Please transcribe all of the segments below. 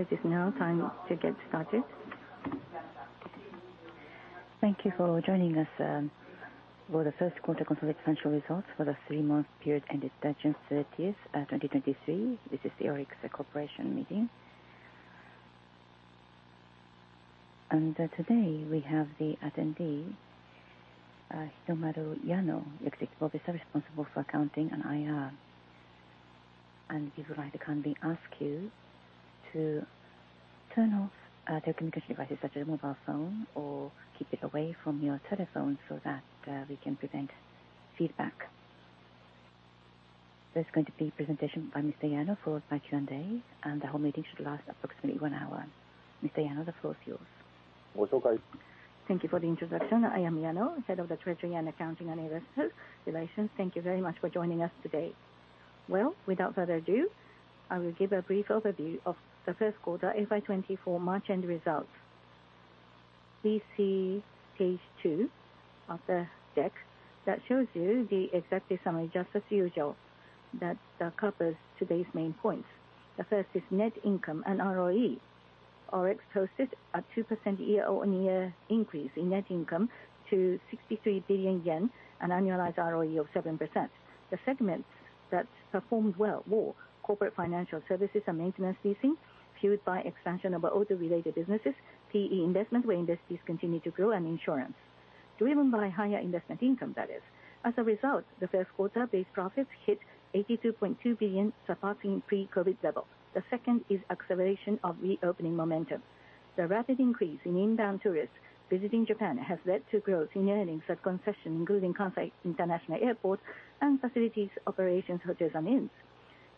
It is now time to get started. Thank you for joining us for the First Quarter Consolidated Financial Results for the 3-month period ended March 30th, 2023. This is the ORIX Corporation meeting. Today we have the attendee, Hitomaro Yano, Executive Officer responsible for accounting and IR. We would like to kindly ask you to turn off the communication devices such as a mobile phone, or keep it away from your telephone so that we can prevent feedback. There's going to be presentation by Mr. Yano, followed by Q&A, and the whole meeting should last approximately 1 hour. Mr. Yano, the floor is yours. Thank you. Thank you for the introduction. I am Yano, head of the Treasury and Accounting and Investment Relations. Thank you very much for joining us today. Without further ado, I will give a brief overview of the first quarter FY2024 March end results. Please see page two of the deck that shows you the executive summary, just as usual, that covers today's main points. The first is net income and ROE. ORIX posted a 2% year-on-year increase in net income to 63 billion yen, an annualized ROE of 7%. The segments that performed well were Corporate Financial Services and Maintenance Leasing, fueled by expansion of auto-related businesses, PE investment, where industries continue to grow, and insurance, driven by higher investment income, that is. As a result, the first quarter-based profits hit 82.2 billion, surpassing pre-COVID levels. The second is acceleration of reopening momentum. The rapid increase in inbound tourists visiting Japan has led to growth in earnings at concessions, including Kansai International Airport and facility operations hotels and inns.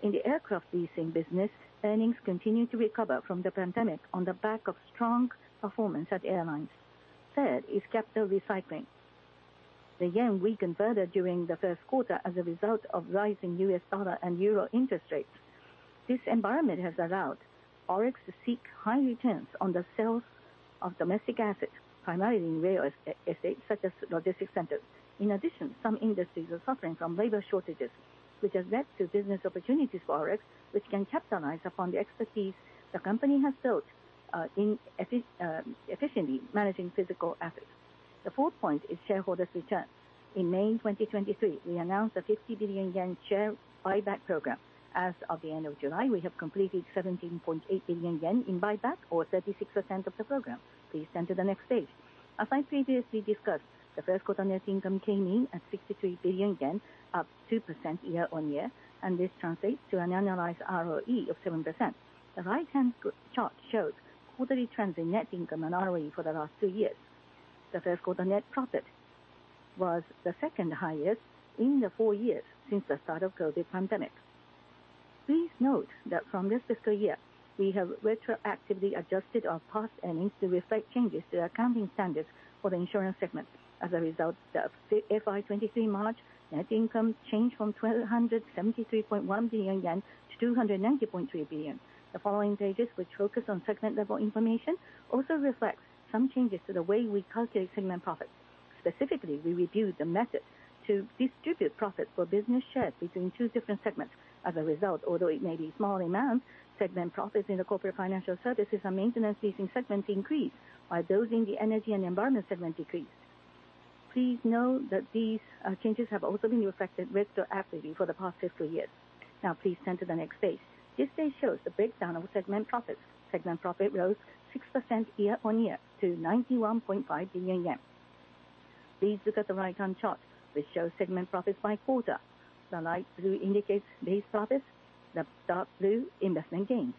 In the aircraft leasing business, earnings continue to recover from the pandemic on the back of strong performance at airlines. Third is capital recycling. The yen weakened further during the first quarter as a result of rising US dollar and euro interest rates. This environment has allowed ORIX to seek high returns on the sales of domestic assets, primarily in Real Estate, such as logistics centers. Some industries are suffering from labor shortages, which has led to business opportunities for ORIX, which can capitalize upon the expertise the company has built in efficiently managing physical assets. The fourth point is shareholders' return. In May 2023, we announced a 50 billion yen share buyback program. As of the end of July, we have completed 17.8 billion yen in buyback, or 36% of the program. Please turn to the next page. As I previously discussed, the first quarter net income came in at 63 billion yen, up 2% year-on-year, and this translates to an annualized ROE of 7%. The right-hand chart shows quarterly trends in net income and ROE for the last two years. The first quarter net profit was the second highest in the four years since the start of COVID pandemic. Please note that from this fiscal year, we have retroactively adjusted our past earnings to reflect changes to the accounting standards for the insurance segment. As a result, the FY2023 March net income changed from 273.1 billion yen to 290.3 billion. The following pages, which focus on segment level information, also reflects some changes to the way we calculate segment profits. Specifically, we reviewed the method to distribute profits for business shared between two different segments. As a result, although it may be small amounts, segment profits in the Corporate Financial Services and Maintenance Leasing segment increased, while those in the Environment and Energy segment decreased. Please note that these changes have also been reflected retroactively for the past fiscal years. Now, please turn to the next page. This page shows the breakdown of segment profits. Segment profit rose 6% year-on-year to 91.5 billion yen. Please look at the right-hand chart, which shows segment profits by quarter. The light blue indicates base profits, the dark blue, investment gains.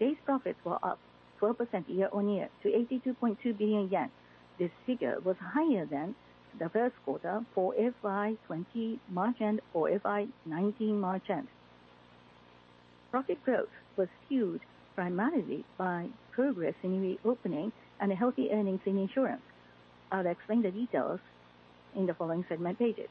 Base profits were up 12% year-on-year to 82.2 billion yen. This figure was higher than the first quarter for FY20 March end or FY19 March end. Profit growth was fueled primarily by progress in reopening and healthy earnings in insurance. I'll explain the details in the following segment pages.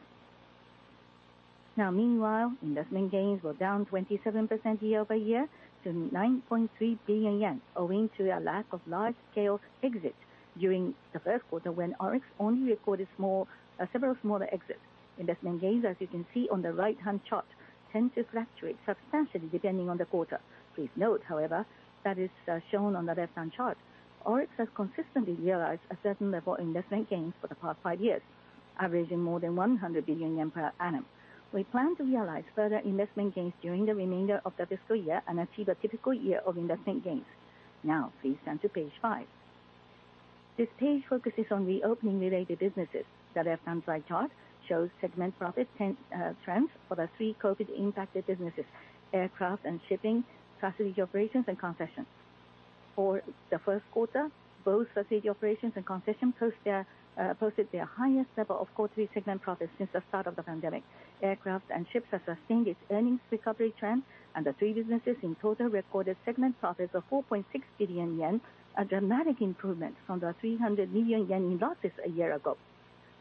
Meanwhile, investment gains were down 27% year-over-year to 9.3 billion yen, owing to a lack of large-scale exits during the first quarter, when ORIX only recorded small, several smaller exits. Investment gains, as you can see on the right-hand chart, tend to fluctuate substantially depending on the quarter. Please note, however, that as shown on the left-hand chart, ORIX has consistently realized a certain level of investment gains for the past five years, averaging more than 100 billion yen per annum. We plan to realize further investment gains during the remainder of the fiscal year and achieve a typical year of investment gains. Please turn to page five. This page focuses on reopening-related businesses. The left-hand side chart shows segment profit trends for the three COVID-impacted businesses: Aircraft and Ships, facility operations, and concessions. For the first quarter, both facility operations and concessions posted their highest level of quarterly segment profits since the start of the pandemic. Aircraft and Ships are sustaining its earnings recovery trend, and the three businesses in total recorded segment profits of 4.6 billion yen, a dramatic improvement from 300 million yen in losses a year ago.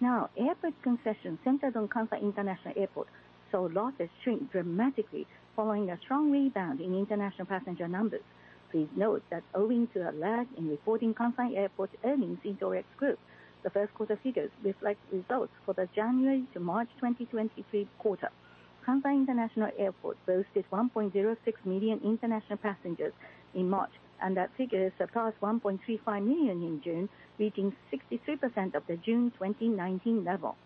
Airport concessions centered on Kansai International Airport, saw losses shrink dramatically following a strong rebound in international passenger numbers. Please note that owing to a lag in reporting Kansai Airport's earnings into ORIX Group, the first quarter figures reflect results for the January to March 2023 quarter. Haneda International Airport boasted 1.06 million international passengers in March. That figure surpassed 1.35 million in June, reaching 63% of the June 2019 level.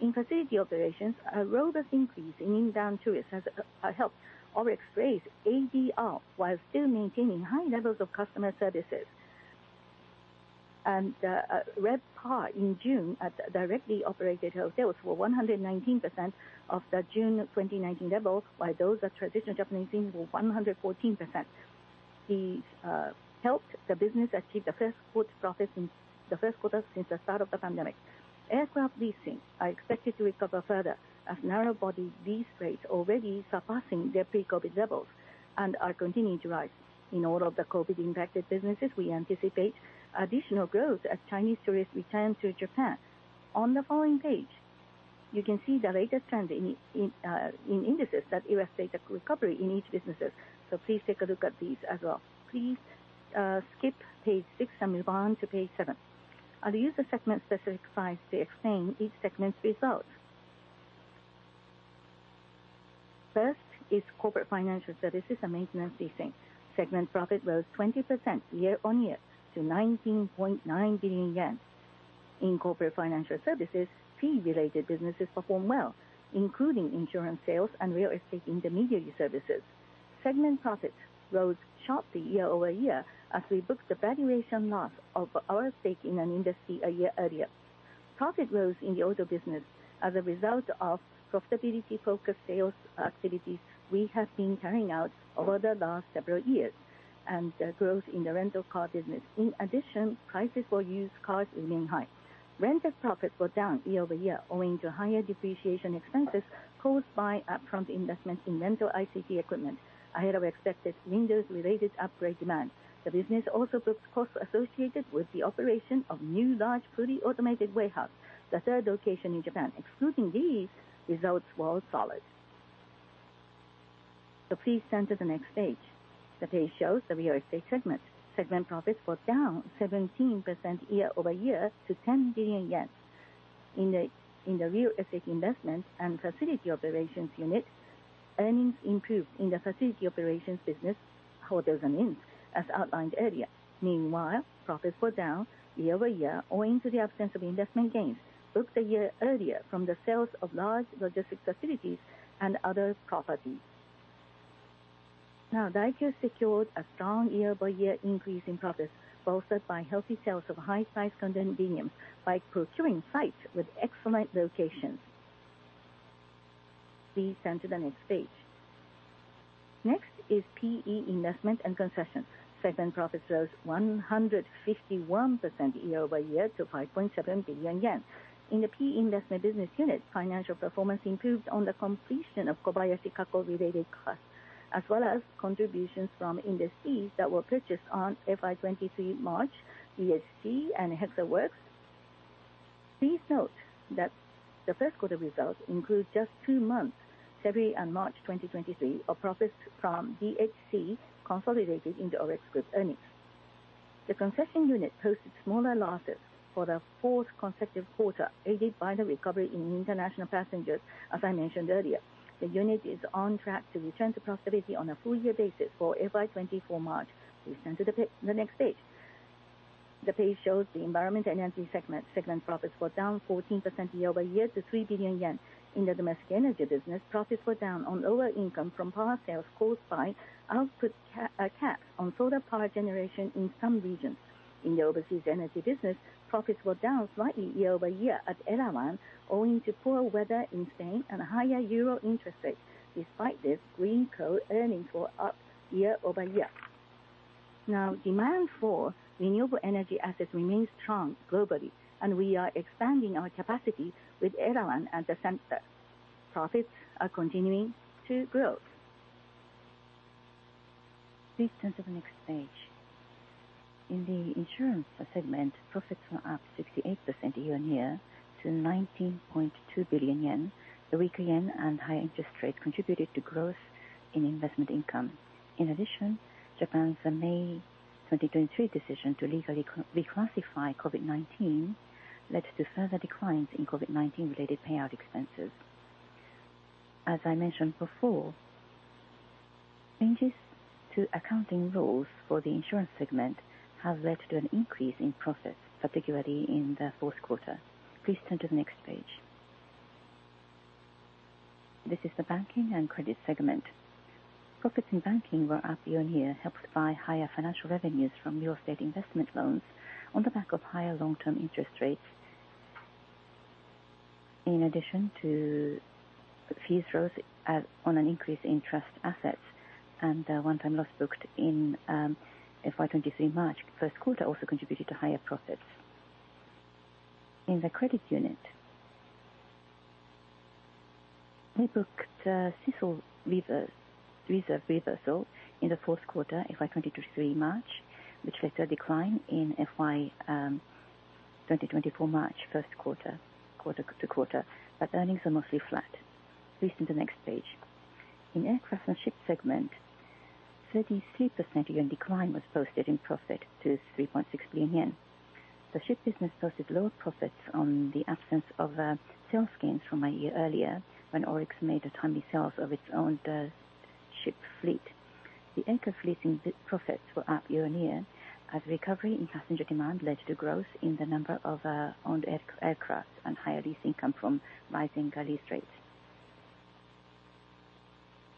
In facility operations, a robust increase in inbound tourists has helped ORIX raise ADR, while still maintaining high levels of customer services. RevPAR in June at directly operated hotels were 119% of the June 2019 level, while those at traditional Japanese inns were 114%. These helped the business achieve the first good profit since the first quarter since the start of the pandemic. Aircraft leasing are expected to recover further as narrow body lease rates already surpassing their pre-COVID levels and are continuing to rise. In all of the COVID-impacted businesses, we anticipate additional growth as Chinese tourists return to Japan. On the following page, you can see the latest trend in indices that illustrate the recovery in each businesses. Please take a look at these as well. Please skip page six and move on to page seven. I'll use the segment-specific slides to explain each segment's results. First is Corporate Financial Services and Maintenance Leasing. Segment profit rose 20% year-on-year to 19.9 billion yen. In Corporate Financial Services, fee-related businesses performed well, including insurance sales and real estate intermediary services. Segment profits rose sharply year-over-year as we booked the valuation loss of our stake in an industry a year earlier. Profit rose in the auto business as a result of profitability-focused sales activities we have been carrying out over the last several years and the growth in the rental car business. Prices for used cars remain high. Rental profits were down year-over-year, owing to higher depreciation expenses caused by upfront investments in rental ICT equipment ahead of expected Microsoft Windows-related upgrade demand. The business also booked costs associated with the operation of new, large, fully automated warehouse, the third location in Japan. Excluding these, results were solid. Please turn to the next page. The page shows the Real Estate segment. Segment profits were down 17% year-over-year to 10 billion yen. In the Real Estate Investment and Facility Operations unit, earnings improved in the facility operations business, hotels and inns, as outlined earlier. Meanwhile, profits were down year-over-year, owing to the absence of investment gains booked a year earlier from the sales of large logistics facilities and other properties. Daikyo secured a strong year-by-year increase in profits, bolstered by healthy sales of high-priced condominiums by procuring sites with excellent locations. Please turn to the next page. is PE Investment and Concession. Segment profits rose 151% year-over-year to 5.7 billion yen. In the PE investment business unit, financial performance improved on the completion of Kobayashi Kako-related costs, as well as contributions from industries that were purchased on FY2023 March, DHC and HEXEL Works. Please note that the first quarter results include just two months, February and March 2023, of profits from DHC consolidated into ORIX Group earnings. The concession unit posted smaller losses for the fourth consecutive quarter, aided by the recovery in international passengers, as I mentioned earlier. The unit is on track to return to profitability on a full year basis for FY2024 March. Please turn to the next page. The page shows the Environment and Energy segment. Segment profits were down 14% year-over-year to 3 billion yen. In the domestic energy business, profits were down on lower income from power sales caused by output caps on solar power generation in some regions. In the overseas energy business, profits were down slightly year-over-year at Elawan, owing to poor weather in Spain and higher euro interest rates. Despite this, Greenko earnings were up year-over-year. Demand for renewable energy assets remains strong globally, and we are expanding our capacity with Elawan at the center. Profits are continuing to grow. Please turn to the next page. In the insurance segment, profits were up 68% year-on-year to 19.2 billion yen. The weak yen and high interest rates contributed to growth in investment income. In addition, Japan's May 2023 decision to legally re-reclassify COVID-19 led to further declines in COVID-19 related payout expenses. As I mentioned before, changes to accounting rules for the insurance segment have led to an increase in profits, particularly in the fourth quarter. Please turn to the next page. This is the Banking and Credit segment. Profits in banking were up year-on-year, helped by higher financial revenues from real estate investment loans on the back of higher long-term interest rates. In addition to fees rose as on an increase in trust assets and a one-time loss booked in FY2023 March first quarter also contributed to higher profits. In the credit unit, we booked CECL reserve, reserve reversal in the fourth quarter, FY2023 March, which led to a decline in 2024 March first quarter, quarter-to-quarter, but earnings are mostly flat. Please turn to the next page. In Aircraft and Ships segment, 33% year-end decline was posted in profit to 3.6 billion yen. The ship business posted lower profits on the absence of sales gains from a year earlier, when ORIX made a timely sales of its own ship fleet. The anchor leasing profits were up year-on-year, as recovery in passenger demand led to growth in the number of owned aircraft and higher lease income from rising lease rates.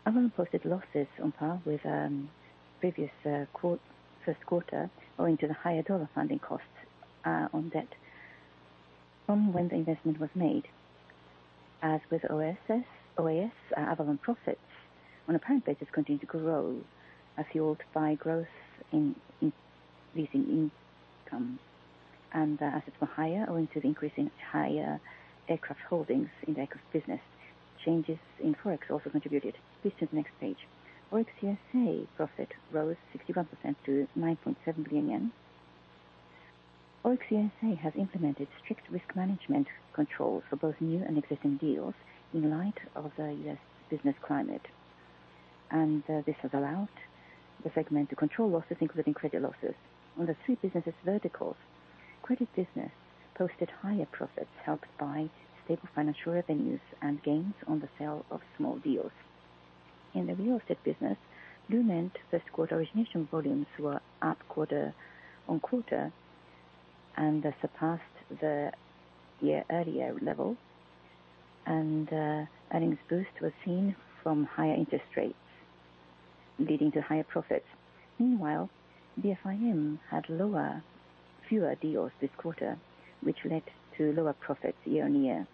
Avolon posted losses on par with previous first quarter, owing to the higher dollar funding costs on debt from when the investment was made. As with OSS- OAS, Avolon profits on a parent basis continued to grow, as fueled by growth in leasing income. Assets were higher, owing to the increase in higher aircraft holdings in the aircraft business. Changes in Forex also contributed. Please turn to the next page. ORIX USA profit rose 61% to 9.7 billion yen. ORIX USA has implemented strict risk management controls for both new and existing deals in light of the U.S. business climate. This has allowed the segment to control losses, including credit losses. On the three business verticals, credit business posted higher profits, helped by stable financial revenues and gains on the sale of small deals. In the real estate business, loan meant 1st quarter origination volumes were up quarter-on-quarter and surpassed the year-earlier level. Earnings boost was seen from higher interest rates, leading to higher profits. Meanwhile, DIFM had lower, fewer deals this quarter, which led to lower profits year-on-year.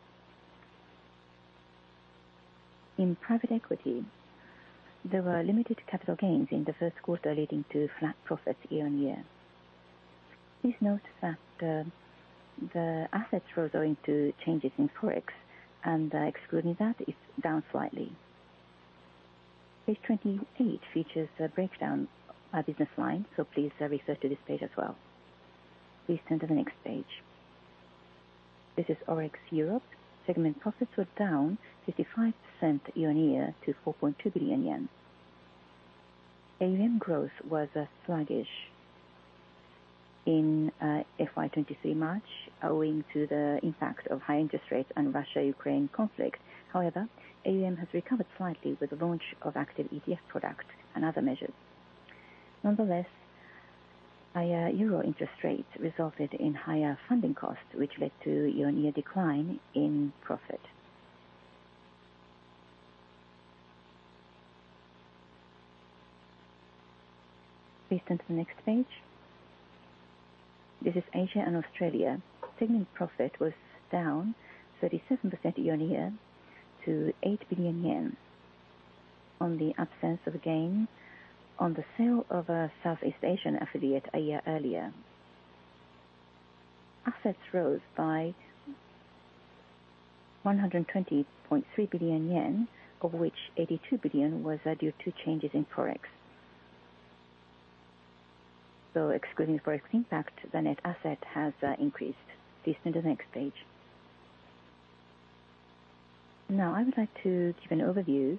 In private equity, there were limited capital gains in the 1st quarter, leading to flat profits year-on-year. Please note that the assets were going to changes in Forex, and excluding that, it's down slightly. Page 28 features a breakdown by business line, so please refer to this page as well. Please turn to the next page. This is ORIX Europe. Segment profits were down 55% year-on-year to 4.2 billion yen. AUM growth was sluggish in FY2023 March, owing to the impact of high interest rates and Russia-Ukraine conflict. AUM has recovered slightly with the launch of active ETF products and other measures. Higher euro interest rates resulted in higher funding costs, which led to year-on-year decline in profit. Please turn to the next page. This is Asia and Australia. Segment profit was down 37% year-on-year to 8 billion yen on the absence of a gain on the sale of a Southeast Asian affiliate a year earlier. Assets rose by 120.3 billion yen, of which 82 billion was due to changes in Forex. Excluding Forex impact, the net asset has increased. Please turn to the next page. I would like to give an overview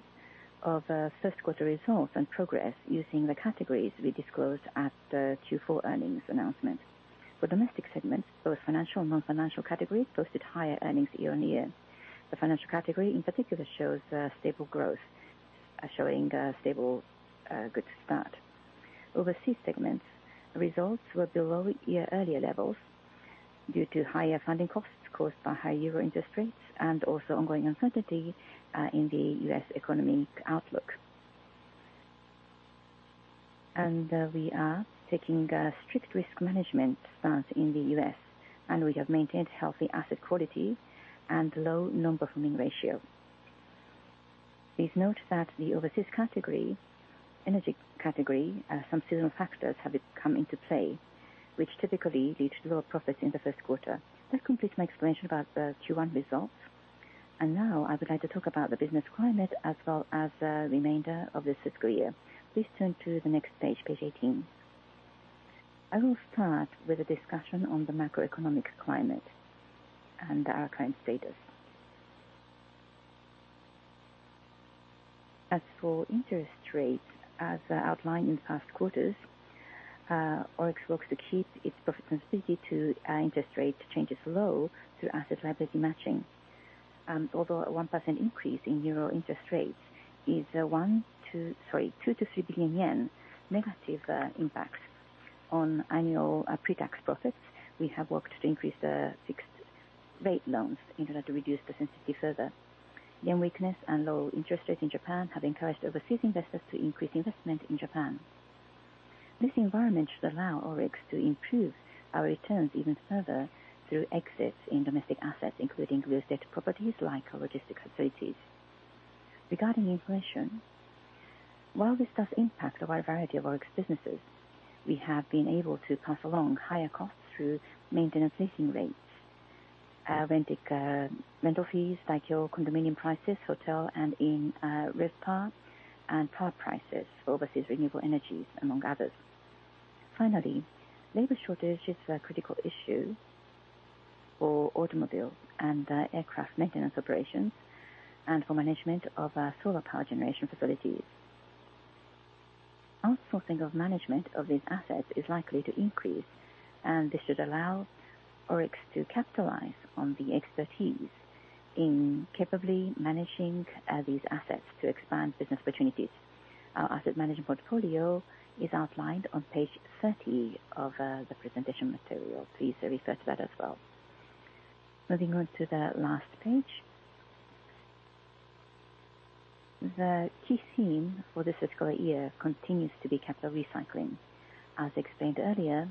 of first quarter results and progress using the categories we disclosed at the Q4 earnings announcement. For domestic segments, both financial and non-financial categories posted higher earnings year-on-year. The financial category, in particular, shows stable growth, showing stable good start. Overseas segments, results were below year earlier levels due to higher funding costs caused by high euro interest rates and also ongoing uncertainty in the U.S. economic outlook. We are taking strict risk management stance in the U.S., and we have maintained healthy asset quality and low non-performing ratio. Please note that the overseas category, energy category, some seasonal factors have come into play, which typically lead to lower profits in the first quarter. That completes my explanation about the Q1 results. Now, I would like to talk about the business climate as well as the remainder of this fiscal year. Please turn to the next page, page 18. I will start with a discussion on the macroeconomic climate and our current status. As for interest rates, as outlined in past quarters, ORIX looks to keep its profit sensitivity to interest rate changes low through asset-liability matching. Although a 1% increase in euro interest rates is 2 billion-3 billion yen negative impact on annual pre-tax profits, we have worked to increase the fixed rate loans in order to reduce the sensitivity further. Yen weakness and low interest rates in Japan have encouraged overseas investors to increase investment in Japan. This environment should allow ORIX to improve our returns even further through exits in domestic assets, including real estate properties like our logistic facilities. Regarding inflation, while this does impact a wide variety of ORIX businesses, we have been able to pass along higher costs through maintenance leasing rates, Rentec, rental fees like your condominium prices, hotel, and in, RevPAR and power prices for overseas renewable energies, among others. Finally, labor shortage is a critical issue for automobile and aircraft maintenance operations and for management of solar power generation facilities. Outsourcing of management of these assets is likely to increase, and this should allow ORIX to capitalize on the expertise in capably managing these assets to expand business opportunities. Our asset management portfolio is outlined on page 30 of the presentation material. Please refer to that as well. Moving on to the last page. The key theme for this fiscal year continues to be capital recycling. As explained earlier,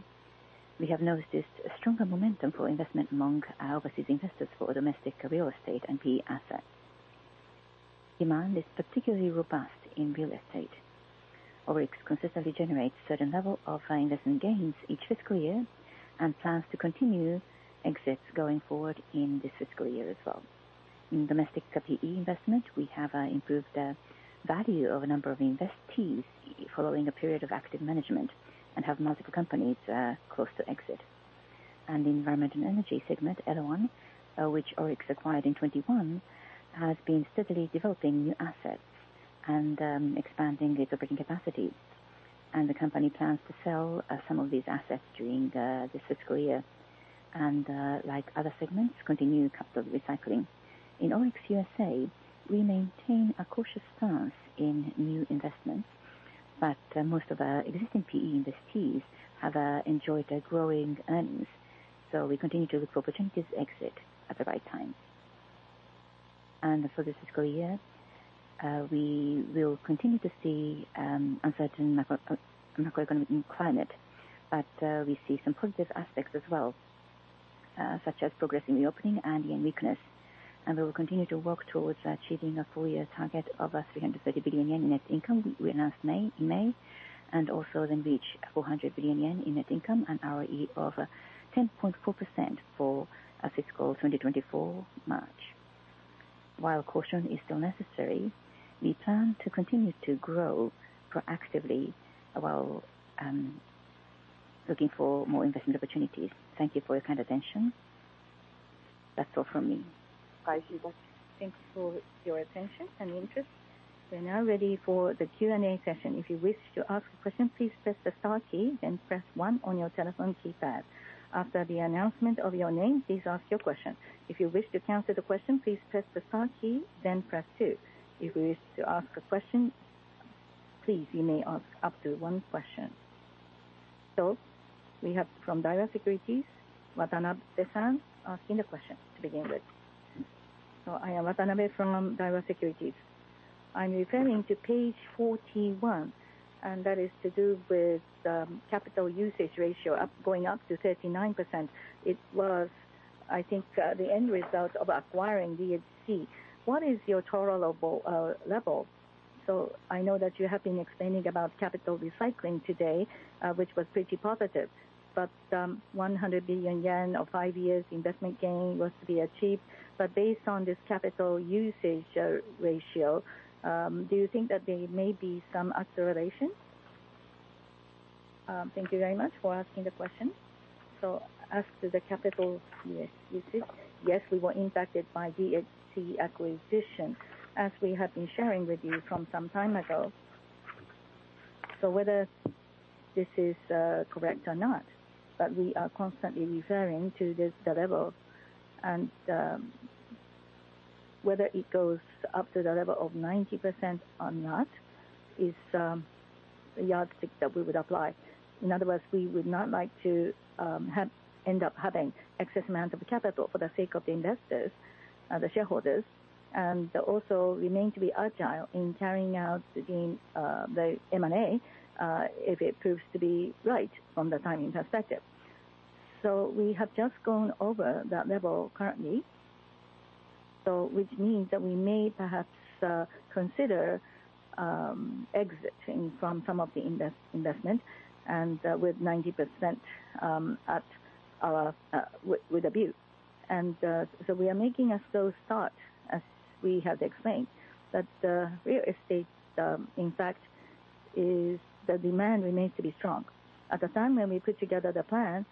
we have noticed a stronger momentum for investment among our overseas investors for domestic real estate and PE assets. Demand is particularly robust in real estate. ORIX consistently generates certain level of investment gains each fiscal year and plans to continue exits going forward in this fiscal year as well. In domestic PE investment, we have improved the value of a number of investees following a period of active management and have multiple companies close to exit. The Environment and Energy segment, L1, which ORIX acquired in 2021, has been steadily developing new assets and expanding its operating capacity. The company plans to sell some of these assets during this fiscal year and, like other segments, continue capital recycling. In ORIX USA, we maintain a cautious stance in new investments. Most of our existing PE investees have enjoyed their growing earnings. We continue to look for opportunities to exit at the right time. For this fiscal year, we will continue to see uncertain macro macroeconomic climate. We see some positive aspects as well, such as progressing reopening and yen weakness. We will continue to work towards achieving a full year target of 330 billion yen in net income. We announced May, in May, reach 400 billion yen in net income and ROE of 10.4% for FY2024 March. While caution is still necessary, we plan to continue to grow proactively while looking for more investment opportunities. Thank you for your kind attention. That's all from me. Thank you for your attention and interest. We're now ready for the Q&A session. If you wish to ask a question, please press the star key, then press one on your telephone keypad. After the announcement of your name, please ask your question. If you wish to cancel the question, please press the star key, then press two. If you wish to ask a question, please you may ask up to one question. We have from Daiwa Securities, Watanabe-san, asking the question to begin with. I am Watanabe from Daiwa Securities. I'm referring to page 41, and that is to do with capital usage ratio up, going up to 39%. It was, I think, the end result of acquiring DHC. What is your tolerable level? I know that you have been explaining about capital recycling today, which was pretty positive, but, 100 billion yen or five years investment gain was to be achieved. Based on this capital usage, ratio, do you think that there may be some acceleration? Thank you very much for asking the question. As to the capital, yes, usage, yes, we were impacted by DHC acquisition, as we have been sharing with you from some time ago. Whether this is correct or not, but we are constantly referring to this, the level, and whether it goes up to the level of 90% or not, is a yardstick that we would apply. In other words, we would not like to end up having excess amount of capital for the sake of the investors, the shareholders, and also remain to be agile in carrying out the M&A, if it proves to be right from the timing perspective. We have just gone over that level currently, so which means that we may perhaps consider exiting from some of the investment and with 90% at with with abuse. We are making those thoughts, as we have explained, that real estate, in fact, is the demand remains to be strong. At the time when we put together the plan,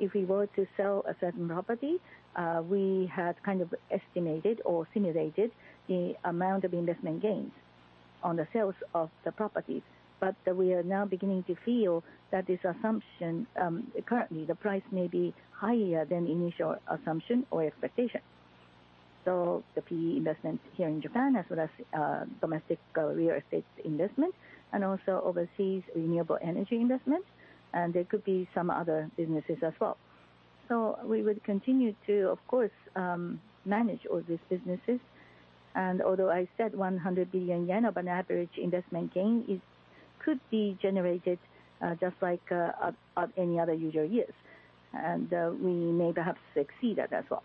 if we were to sell a certain property, we had kind of estimated or simulated the amount of investment gains on the sales of the properties. We are now beginning to feel that this assumption, currently, the price may be higher than initial assumption or expectation. The PE investments here in Japan, as well as domestic real estate investments and also overseas renewable energy investments, and there could be some other businesses as well. We would continue to, of course, manage all these businesses. Although I said 100 billion yen of an average investment gain, it could be generated just like of any other usual years, and we may perhaps exceed that as well.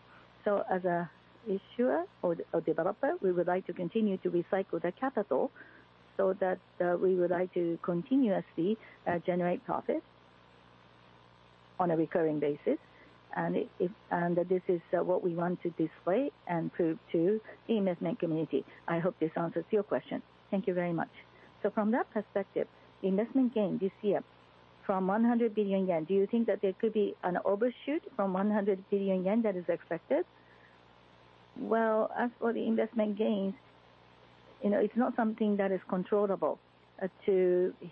As a issuer or developer, we would like to continue to recycle the capital, so that we would like to continuously generate profit on a recurring basis. It, and this is what we want to display and prove to the investment community. I hope this answers your question. Thank you very much. From that perspective, investment gain this year-... from 100 billion yen. Do you think that there could be an overshoot from 100 billion yen that is expected? Well, as for the investment gains, you know, it's not something that is controllable, to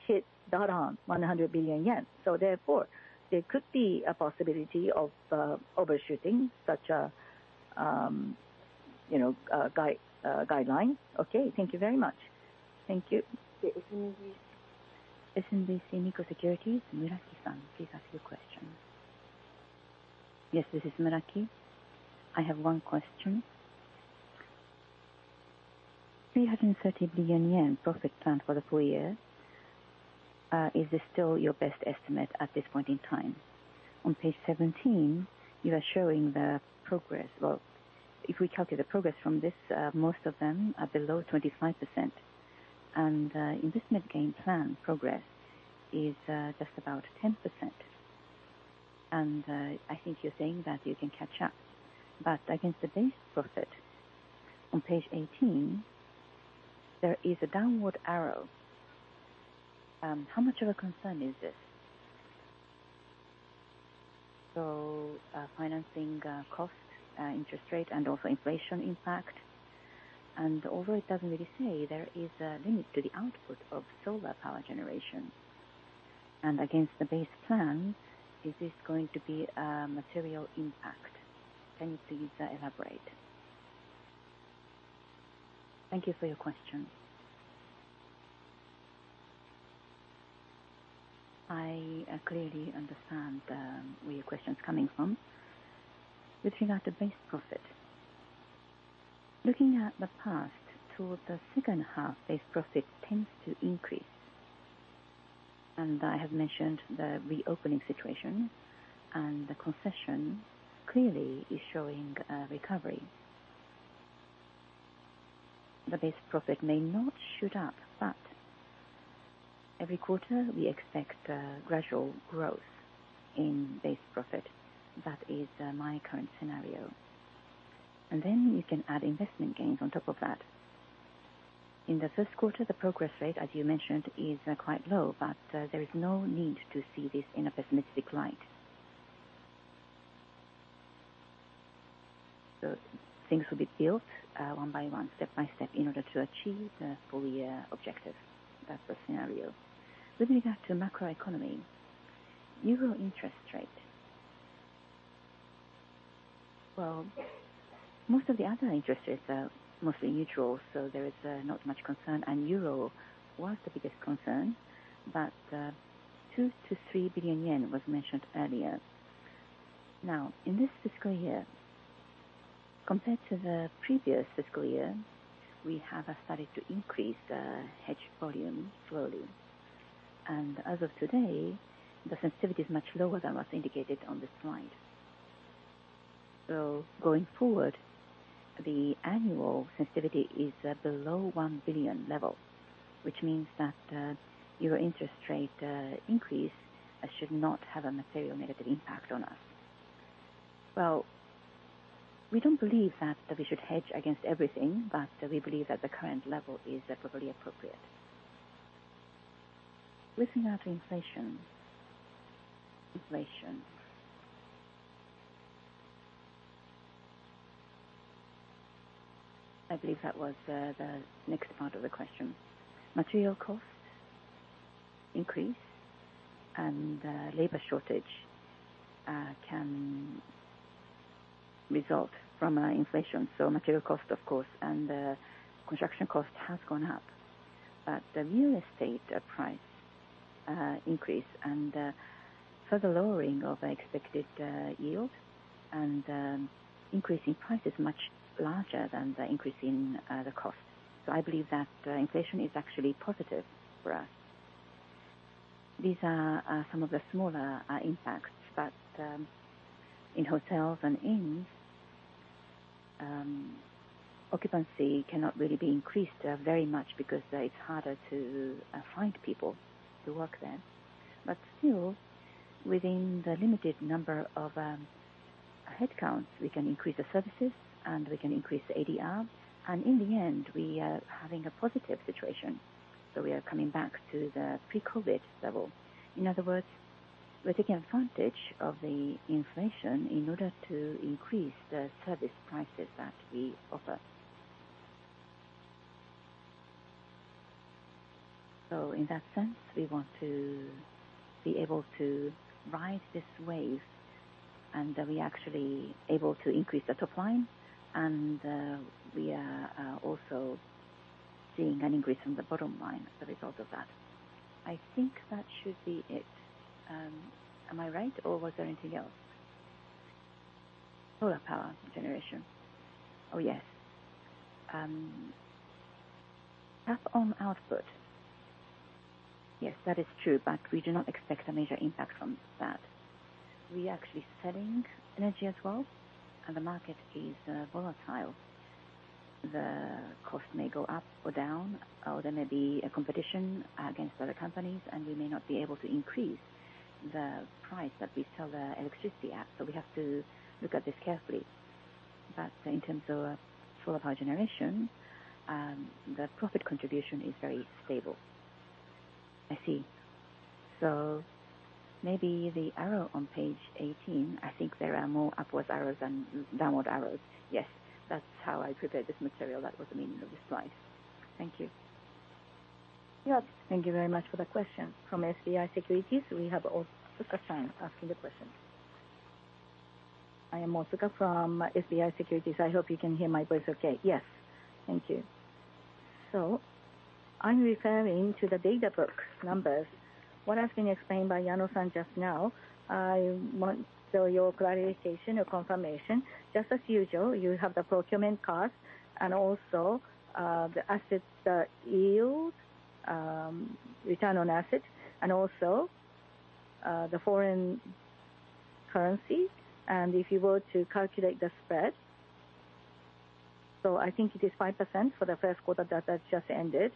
hit dot on 100 billion yen. Therefore, there could be a possibility of overshooting such a, you know, a guideline. Okay, thank you very much. Thank you. SMBC Nikko Securities, Muraki-san, please ask your question. Yes, this is Muraki. I have one question. 330 billion yen profit plan for the full year, is this still your best estimate at this point in time? On page 17, you are showing the progress. Well, if we calculate the progress from this, most of them are below 25%. Investment gain plan progress is just about 10%. I think you're saying that you can catch up. Against the base profit, on page 18, there is a downward arrow. How much of a concern is this? Financing cost, interest rate, and also inflation impact, and although it doesn't really say, there is a limit to the output of solar power generation. Against the base plan, is this going to be a material impact? Can you please elaborate? Thank you for your question. I clearly understand where your question's coming from. With regard to base profit, looking at the past toward the second half, base profit tends to increase. I have mentioned the reopening situation, and the concession clearly is showing recovery. The base profit may not shoot up, but every quarter we expect a gradual growth in base profit. That is my current scenario. You can add investment gains on top of that. In the first quarter, the progress rate, as you mentioned, is quite low, but there is no need to see this in a pessimistic light. Things will be built one by one, step by step, in order to achieve the full year objective. That's the scenario. With regard to macroeconomy, euro interest rate. Well, most of the other interest rates are mostly neutral, so there is not much concern, and euro was the biggest concern, but 2 billion-3 billion yen was mentioned earlier. Now, in this fiscal year, compared to the previous fiscal year, we have started to increase hedge volume slowly. As of today, the sensitivity is much lower than what's indicated on the slide. Going forward, the annual sensitivity is below 1 billion level, which means that euro interest rate increase, should not have a material negative impact on us. We don't believe that we should hedge against everything, but we believe that the current level is probably appropriate. With regard to inflation. Inflation. I believe that was the next part of the question. Material costs increase, and labor shortage can result from inflation. Material cost, of course, and construction cost has gone up. The real estate price increase and further lowering of expected yield and increase in price is much larger than the increase in the cost. I believe that inflation is actually positive for us. These are some of the smaller impacts, but in hotels and inns, occupancy cannot really be increased very much because it's harder to find people to work there. Still, within the limited number of headcounts, we can increase the services, and we can increase the ADR, and in the end, we are having a positive situation. We are coming back to the pre-COVID level. In other words, we're taking advantage of the inflation in order to increase the service prices that we offer. In that sense, we want to be able to ride this wave, and we actually able to increase the top line, and we are also seeing an increase in the bottom line as a result of that. I think that should be it. Am I right, or was there anything else? Solar power generation. Yes. Cap on output. That is true, but we do not expect a major impact from that. We are actually selling energy as well, and the market is volatile. The cost may go up or down, or there may be a competition against other companies, and we may not be able to increase the price that we sell the electricity at, so we have to look at this carefully. In terms of solar power generation, the profit contribution is very stable. I see. Maybe the arrow on page 18, I think there are more upwards arrows than downward arrows. Yes, that's how I prepared this material. That was the meaning of this slide. Thank you. Yeah, thank you very much for the question. From SBI Securities, we have Otsuka-san asking the question. I am Otsuka from SBI Securities. I hope you can hear my voice okay. Yes. Thank you. I'm referring to the data book's numbers. What has been explained by Yano-san just now, I want your clarification or confirmation. Just as usual, you have the procurement cost and also the assets, the yield, return on assets, and also the foreign currency. If you were to calculate the spread, I think it is 5% for the first quarter that has just ended,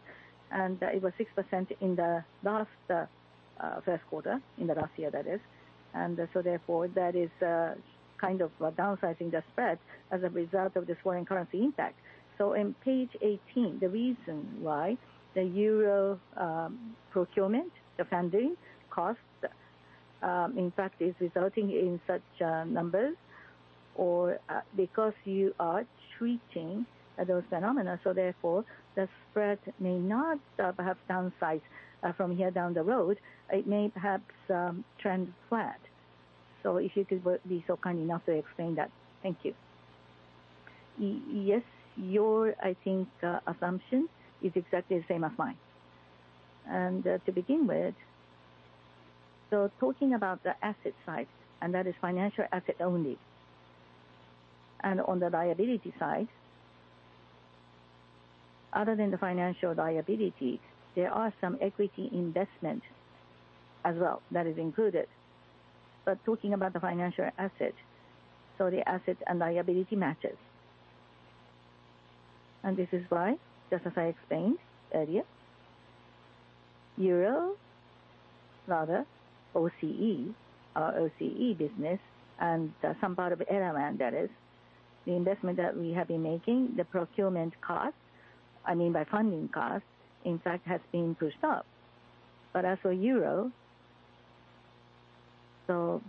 and it was 6% in the last first quarter, in the last year that is. Therefore, that is kind of downsizing the spread as a result of this foreign currency impact. In page 18, the reason why the euro procurement, the funding costs, in fact, is resulting in such numbers, or, because you are treating those phenomena, therefore, the spread may not perhaps downsize from here down the road, it may perhaps trend flat. If you could be so kind enough to explain that. Thank you. Yes, your, I think, assumption is exactly the same as mine. To begin with, talking about the asset side, and that is financial asset only, and on the liability side, other than the financial liability, there are some equity investment as well, that is included. Talking about the financial asset, the asset and liability matches. This is why, just as I explained earlier, euro, rather OCE, our OCE business and, some part of Airman, that is, the investment that we have been making, the procurement cost, I mean, by funding cost, in fact, has been pushed up. As for euro,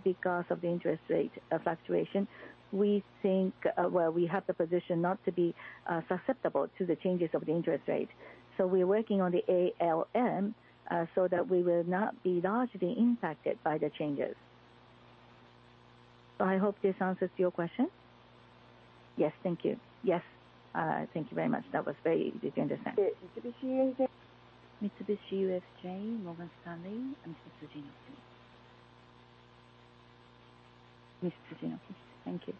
because of the interest rate, fluctuation, we think, well, we have the position not to be, susceptible to the changes of the interest rate. We are working on the ALM, so that we will not be largely impacted by the changes. I hope this answers your question. Yes, thank you. Yes, thank you very much. That was very easy to understand. Mitsubishi UFJ, Morgan Stanley, and Mitsubishi. Mitsubishi, thank you.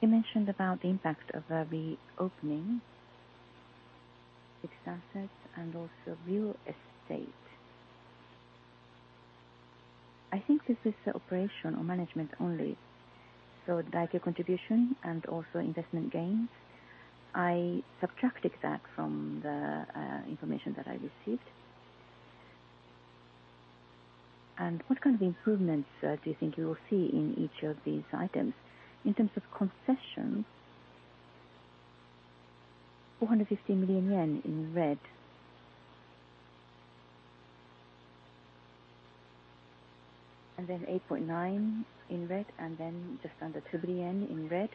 You mentioned about the impact of the opening fixed assets and also real estate. I think this is the operation or management only, so DHC contribution and also investment gains. I subtracted that from the information that I received. What kind of improvements do you think you will see in each of these items? In terms of concession, JPY 450 million in red. Then JPY 8.9 in red, and just under 2 billion in red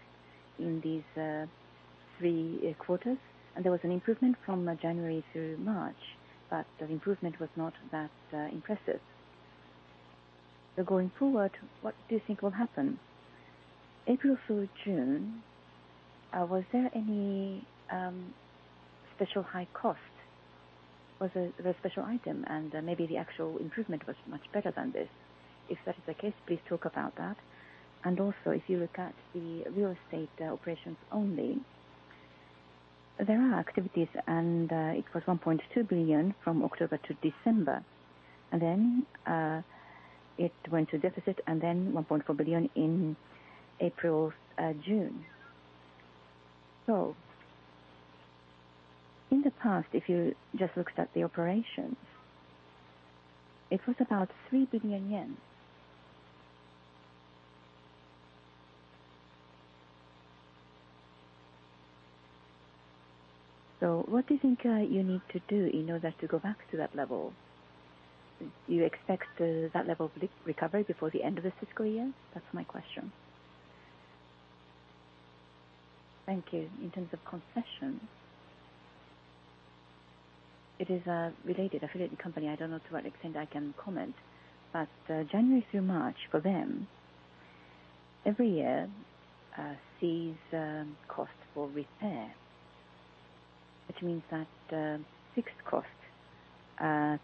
in these three quarters. There was an improvement from January through March, but the improvement was not that impressive. Going forward, what do you think will happen? April through June, was there any special high cost? Was it the special item, and maybe the actual improvement was much better than this? If that is the case, please talk about that. Also, if you look at the Real Estate, operations only, there are activities, and, it was 1.2 billion from October to December, and then, it went to deficit, and then 1.4 billion in April, June. In the past, if you just looked at the operations, it was about JPY 3 billion. What do you think, you need to do in order to go back to that level? Do you expect, that level of re-recovery before the end of the fiscal year? That's my question. Thank you. In terms of concession, it is a related affiliate company. I don't know to what extent I can comment, but January through March for them, every year sees cost for repair, which means that fixed cost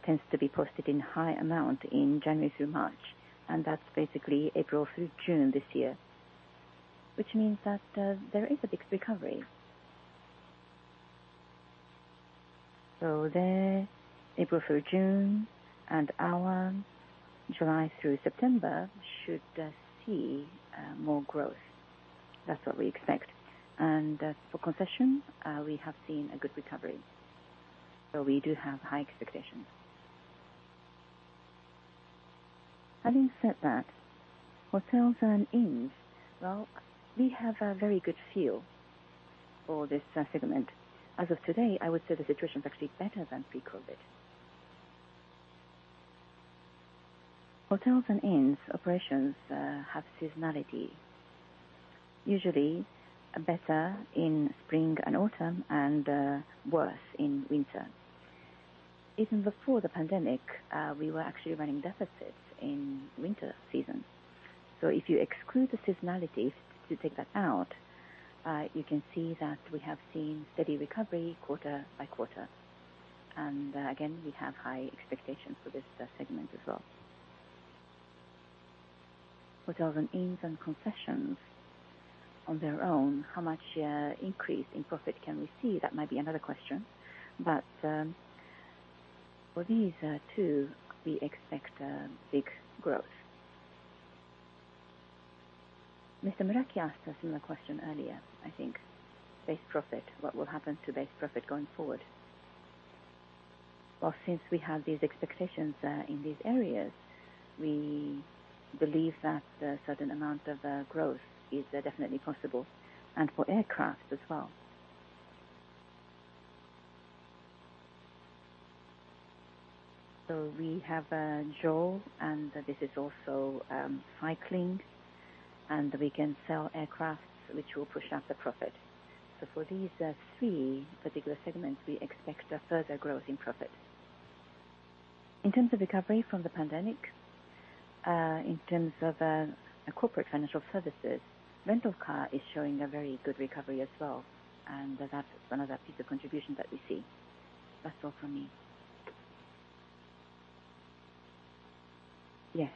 tends to be posted in high amount in January through March, and that's basically April through June this year, which means that there is a big recovery. There, April through June and our July through September, should see more growth. That's what we expect. For concession, we have seen a good recovery. We do have high expectations. Having said that, hotels and inns, well, we have a very good feel for this segment. As of today, I would say the situation is actually better than pre-COVID. Hotels and inns operations have seasonality, usually better in spring and autumn and worse in winter. Even before the pandemic, we were actually running deficits in winter season. If you exclude the seasonality, if you take that out, you can see that we have seen steady recovery quarter by quarter. Again, we have high expectations for this segment as well. Hotels and inns and concessions on their own, how much increase in profit can we see? That might be another question, but for these two, we expect a big growth. Mr. Muraki asked a similar question earlier, I think. Base profit. What will happen to base profit going forward? Well, since we have these expectations in these areas, we believe that a certain amount of growth is definitely possible, and for aircraft as well. We have JAL, and this is also cycling, and we can sell aircrafts, which will push up the profit. For these three particular segments, we expect a further growth in profit. In terms of recovery from the pandemic, in terms of Corporate Financial Services, rental car is showing a very good recovery as well, and that's one of the pieces of contribution that we see. That's all from me. Yes.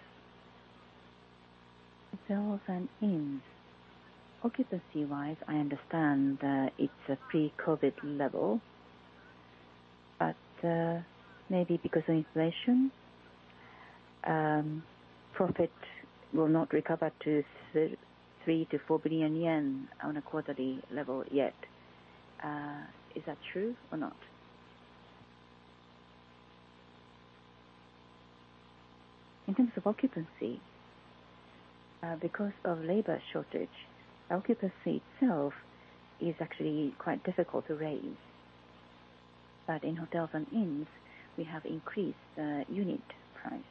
Hotels and inns, occupancy-wise, I understand, it's a pre-COVID level, but maybe because of inflation, profit will not recover to 3 billion-4 billion yen on a quarterly level yet. Is that true or not? In terms of occupancy, because of labor shortage, occupancy itself is actually quite difficult to raise. In hotels and inns, we have increased the unit price.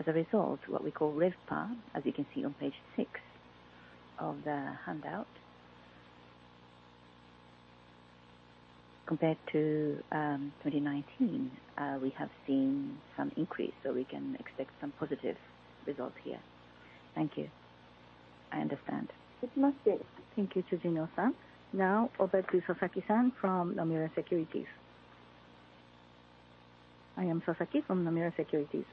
As a result, what we call RevPAR, as you can see on page six of the handout. Compared to 2019, we have seen some increase, so we can expect some positive results here. Thank you. I understand. Thank you, Tsujino-san. Now over to Sasaki-san from Nomura Securities. I am Sasaki from Nomura Securities.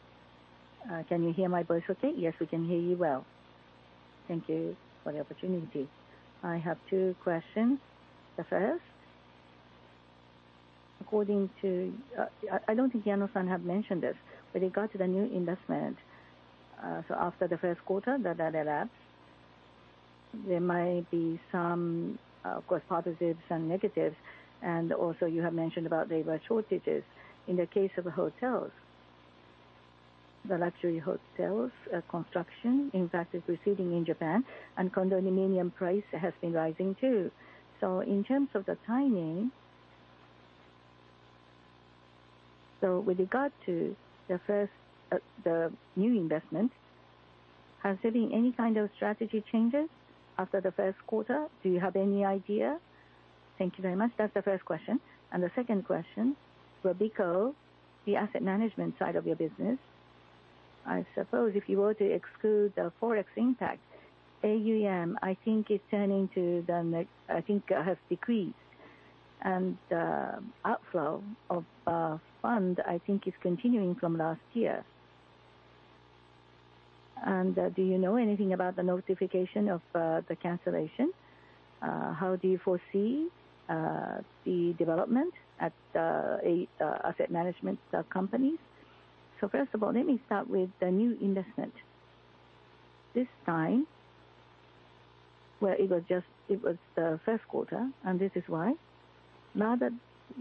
Can you hear my voice okay? Yes, we can hear you well. Thank you for the opportunity. I have two questions. The first, according to, I, I don't think Yano-san have mentioned this. With regard to the new investment, after the first quarter, there might be some, of course, positives and negatives. Also, you have mentioned about labor shortages. In the case of hotels, the luxury hotels, construction, in fact, is proceeding in Japan, and condominium price has been rising, too. In terms of the timing... With regard to the first, the new investment, considering any kind of strategy changes after the first quarter, do you have any idea? Thank you very much. That's the first question. The second question, for Robeco, the asset management side of your business, I suppose if you were to exclude the Forex impact, AUM, I think, is turning to the I think has decreased, and outflow of fund, I think, is continuing from last year. Do you know anything about the notification of the cancellation? How do you foresee the development at the asset management companies? First of all, let me start with the new investment. This time, well, it was the first quarter, and this is why. Now that,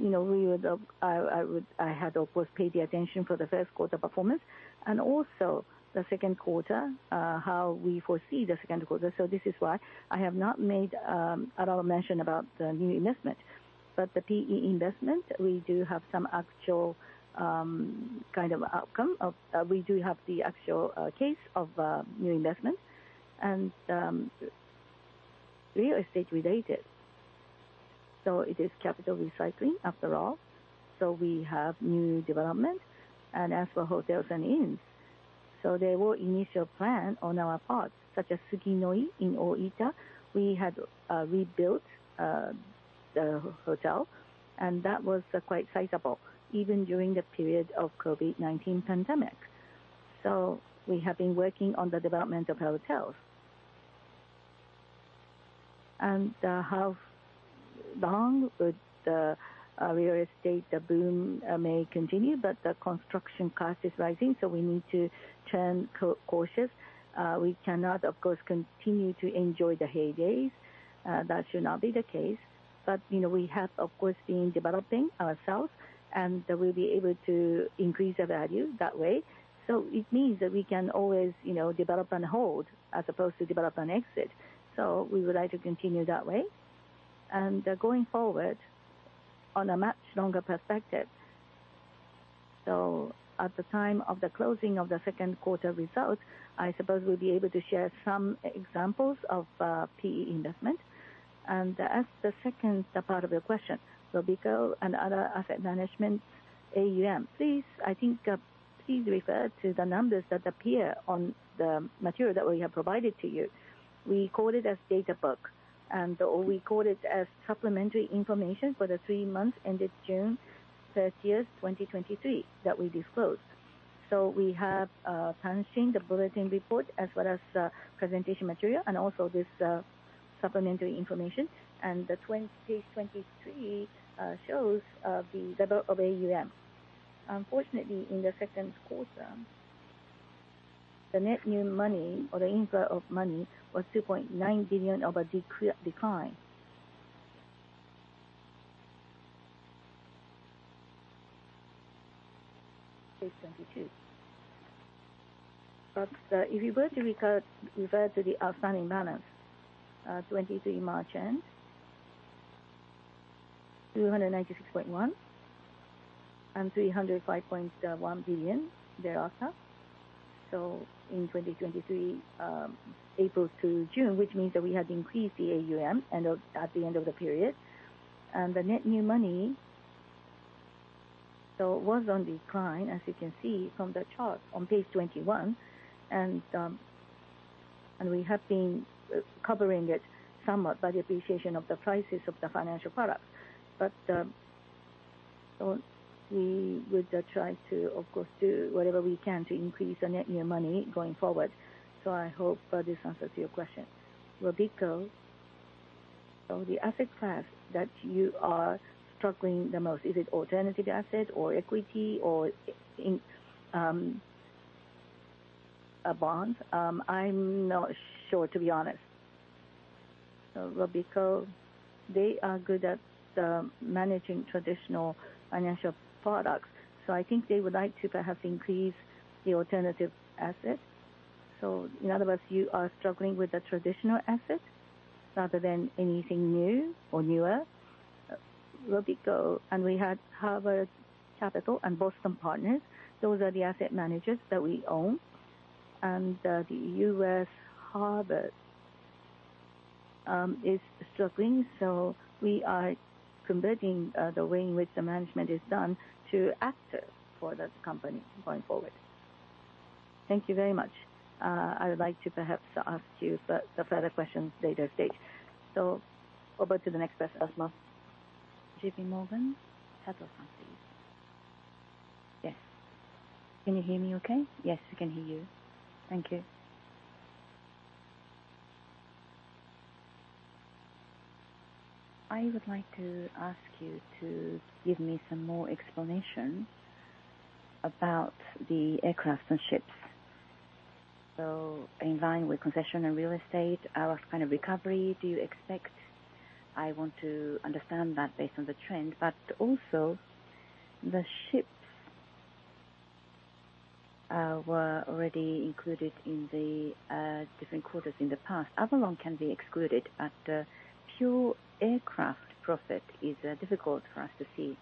you know, we would, I, I would, I had, of course, paid the attention for the first quarter performance and also the second quarter, how we foresee the second quarter. This is why I have not made at all mention about the new investment. The PE investment, we do have some actual, kind of outcome of, we do have the actual, case of, new investment and, real estate related. It is capital recycling after all. We have new development. As for hotels and inns, there were initial plan on our part, such as Suginoi in Oita. We had rebuilt the hotel, and that was quite sizable even during the period of COVID-19 pandemic. We have been working on the development of hotels. How long would the- Real estate, the boom may continue, but the construction cost is rising, so we need to turn cautious. We cannot, of course, continue to enjoy the heydays. That should not be the case, but, you know, we have, of course, been developing ourselves, and we'll be able to increase the value that way. It means that we can always, you know, develop and hold as opposed to develop and exit. We would like to continue that way. Going forward, on a much longer perspective, so at the time of the closing of the second quarter results, I suppose we'll be able to share some examples of PE investment. As the second part of your question, Robeco and other asset management AUM, please. I think, please refer to the numbers that appear on the material that we have provided to you. We call it as data book, or we call it as supplementary information for the 3 months ended June 30, 2023, that we disclosed. We have publishing the bulletin report as well as presentation material and also this supplementary information. The page 23 shows the level of AUM. Unfortunately, in the second quarter, the net new money or the inflow of money was a $2.9 billion decline. Page 22. If you were to refer to the outstanding balance, 2023 March end, $296.1 billion and $305.1 billion thereafter. In 2023, April to June, which means that we have increased the AUM at the end of the period. The net new money was on decline, as you can see from the chart on page 21, and we have been covering it somewhat by the appreciation of the prices of the financial products. We would try to, of course, do whatever we can to increase the net new money going forward. I hope this answers your question. Robeco, the asset class that you are struggling the most, is it alternative asset or equity or bonds? I'm not sure, to be honest. Robeco, they are good at managing traditional financial products, I think they would like to perhaps increase the alternative assets. In other words, you are struggling with the traditional assets rather than anything new or newer? Robeco, and we had Harbor Capital and Boston Partners. Those are the asset managers that we own, and the US Harbor is struggling, so we are converting the way in which the management is done to active for that company going forward. Thank you very much. I would like to perhaps ask you the further questions later date. Over to the next person, Asma. JP Morgan,. Yes, Can you hear me okay? Yes, I can hear you. Thank you. I would like to ask you to give me some more explanation about the Aircraft and Ships. In line with concession and Real Estate, what kind of recovery do you expect? I want to understand that based on the trend, also the ships were already included in the different quarters in the past. Avolon can be excluded, pure aircraft profit is difficult for us to see.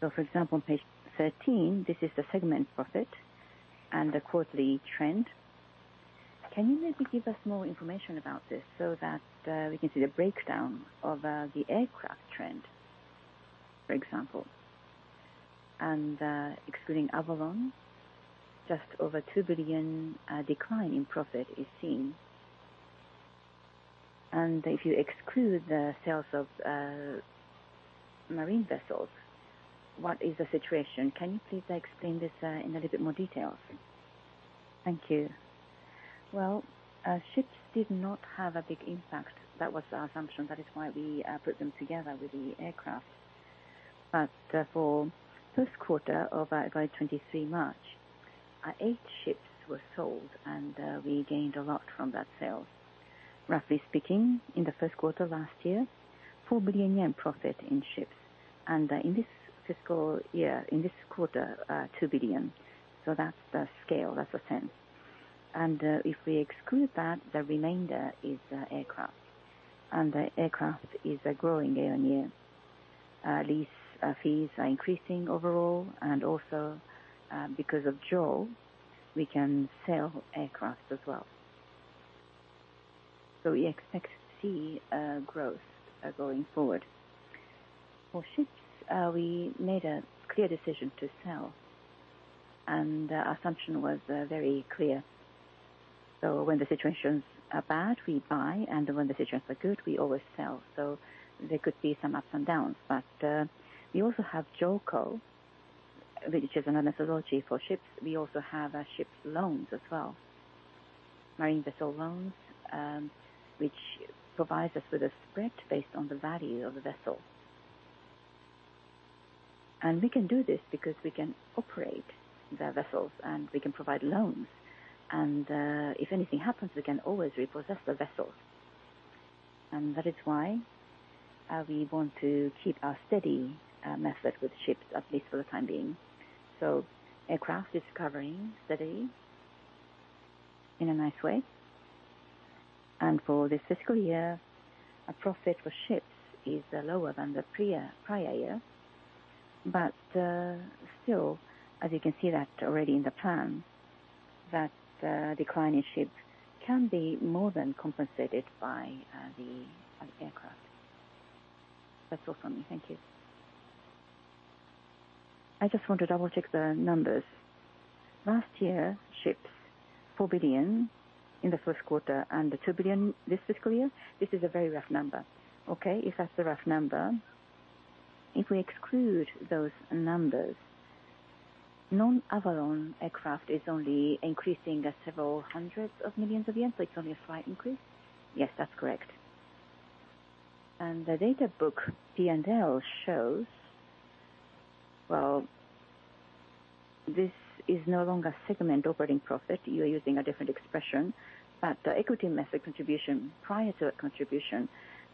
For example, on page 13, this is the segment profit and the quarterly trend. Can you maybe give us more information about this so that we can see the breakdown of the aircraft trend, for example? Excluding Avolon, just over 2 billion decline in profit is seen. If you exclude the sales of marine vessels, what is the situation? Can you please explain this in a little bit more detail? Thank you. Well, ships did not have a big impact. That was our assumption. That is why we put them together with the aircraft. For first quarter of 2023 March, eight ships were sold, and we gained a lot from that sale. Roughly speaking, in the first quarter last year, 4 billion yen profit in ships, and in this fiscal year, in this quarter, 2 billion. That's the scale, that's the trend. If we exclude that, the remainder is aircraft, and the aircraft is growing year-on-year. Lease fees are increasing overall, and also, because of JOL, we can sell aircraft as well. We expect to see growth going forward. For ships, we made a clear decision to sell, and the assumption was very clear. When the situations are bad, we buy, and when the situations are good, we always sell. There could be some ups and downs, but we also have JOLCO, which is another methodology for ships. We also have ships loans as well.... marine vessel loans, which provides us with a spread based on the value of the vessel. We can do this because we can operate their vessels, and we can provide loans, if anything happens, we can always repossess the vessels. That is why we want to keep our steady method with ships, at least for the time being. Aircraft is recovering steady in a nice way. For this fiscal year, our profit for ships is lower than the prior year. Still, as you can see that already in the plan, that decline in ships can be more than compensated by the aircraft. That's all from me. Thank you. I just want to double-check the numbers. Last year, ships, $4 billion in the first quarter, and $2 billion this fiscal year? This is a very rough number. If that's the rough number, if we exclude those numbers, non-Avolon aircraft is only increasing at JPY several hundred million, so it's only a slight increase? Yes, that's correct. The data book, P&L, shows this is no longer segment operating profit. You are using a different expression. The equity method contribution, prior to that contribution,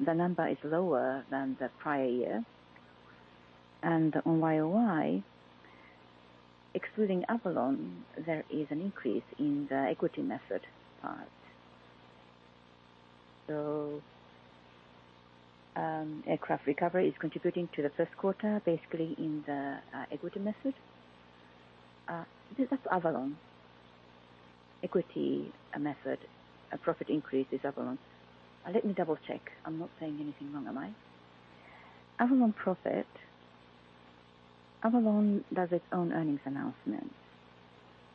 the number is lower than the prior year. On YOY, excluding Avolon, there is an increase in the equity method part. Aircraft recovery is contributing to the first quarter, basically in the equity method? That's Avolon. Equity method, a profit increase is Avolon. Let me double-check. I'm not saying anything wrong, am I? Avolon profit, Avolon does its own earnings announcement,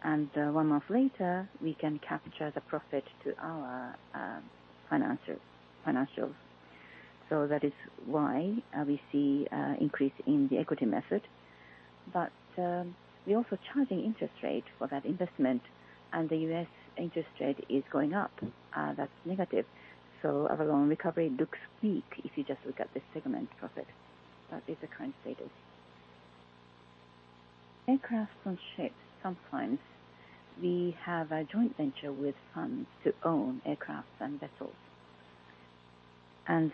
one month later, we can capture the profit to our financials, financials. That is why we see a increase in the equity method. We're also charging interest rate for that investment, and the US interest rate is going up. That's negative. Avolon recovery looks weak if you just look at the segment profit. That is the current status. Aircraft and Ships, sometimes we have a joint venture with funds to own aircraft and vessels.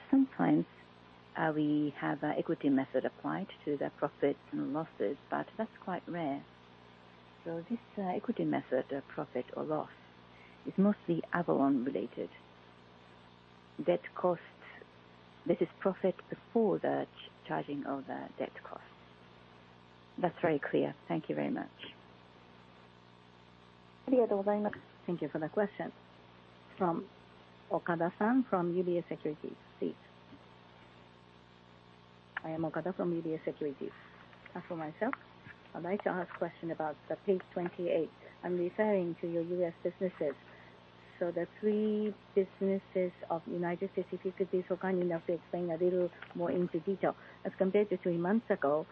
Sometimes we have a equity method applied to the profits and losses, but that's quite rare. This equity method profit or loss is mostly Avolon related. Debt costs, this is profit before the charging of the debt costs. That's very clear. Thank you very much. Thank you for the question. From Okada-san, from UBS Securities, please. I am Okada from UBS Securities. As for myself, I'd like to ask question about the page 28. I'm referring to your US businesses. The three businesses of United States, if you could be so kind enough to explain a little more into detail. As compared to three months ago,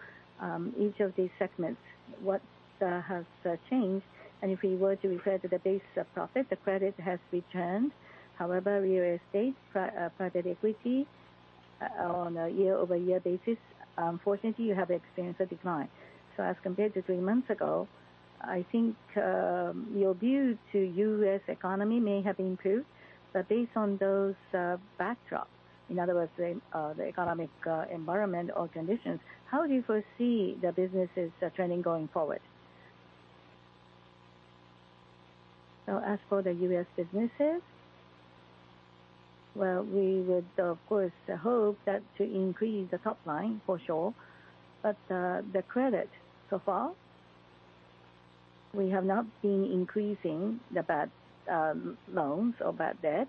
each of these segments, what has changed? If we were to refer to the base of profit, the credit has returned. However, Real Estate, private equity, on a year-over-year basis, unfortunately, you have experienced a decline. As compared to three months ago, I think, your view to U.S. economy may have improved, but based on those backdrop, in other words, the economic environment or conditions, how do you foresee the businesses trending going forward? As for the US businesses, well, we would, of course, hope to increase the top line for sure, but the credit so far, we have not been increasing the bad loans or bad debt.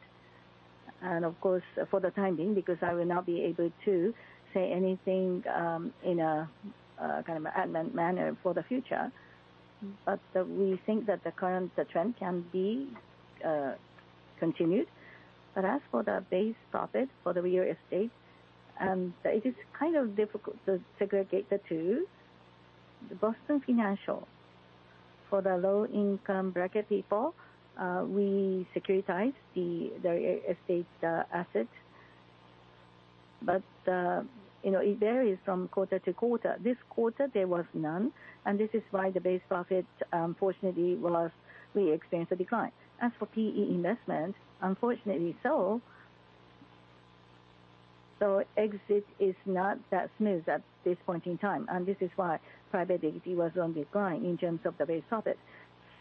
Of course, for the time being, because I will not be able to say anything in a kind of an advent manner for the future. We think that the current trend can be continued. As for the base profit for the real estate, it is kind of difficult to segregate the two. The Boston Financial, for the low-income bracket people, we securitize the real estate assets. You know, it varies from quarter to quarter. This quarter there was none, and this is why the base profit, unfortunately, well, as we experienced a decline. As for PE investment, unfortunately so, exit is not that smooth at this point in time, and this is why private equity was on decline in terms of the base profit.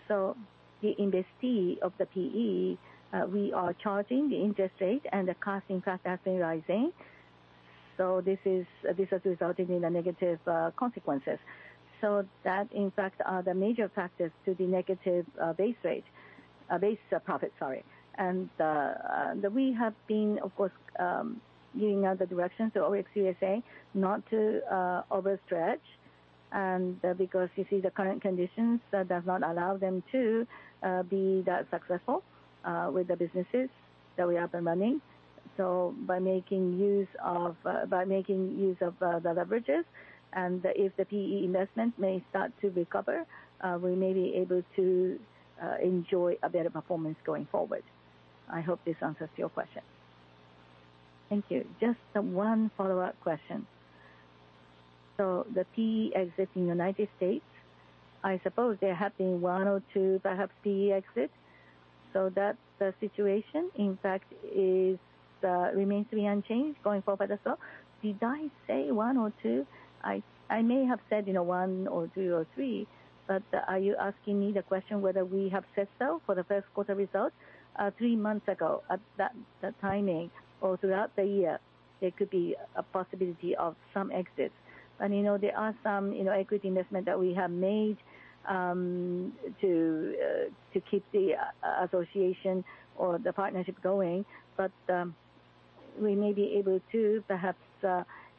The investee of the PE, we are charging the interest rate, and the cost, in fact, has been rising. This is, this has resulted in negative consequences. That, in fact, are the major factors to the negative base rate, base profit, sorry. We have been, of course, giving out the direction to ORIX USA not to overstretch, and because you see the current conditions, that does not allow them to be that successful with the businesses that we have been running.... By making use of, by making use of, the leverages, and if the PE investment may start to recover, we may be able to enjoy a better performance going forward. I hope this answers your question. Thank you. Just, one follow-up question. The PE exit in United States, I suppose there have been one or two perhaps PE exits, so that the situation, in fact, is, remains to be unchanged going forward as well? Did I say one or two? I, I may have said, you know, one or two or three, but are you asking me the question whether we have said so for the first quarter results three months ago? At that, that timing or throughout the year, there could be a possibility of some exits. You know, there are some, you know, equity investment that we have made to keep the association or the partnership going. We may be able to perhaps